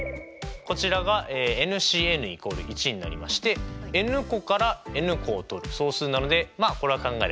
こちらがＣ＝１になりましてｎ個からｎ個をとる総数なのでまあこれは考えれば分かると。